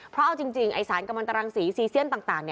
เพราะเอาจริงไอ้สารกำลังตรังสีซีเซียนต่าง